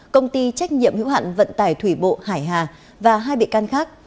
công ty trách nhiệm hữu hạn vận tải thủy bộ hải hà và hai bị can khác